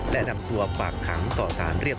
และนำตัวฝากขังต่อสารเรียบ